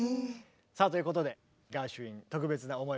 さあということでガーシュウィン特別な思い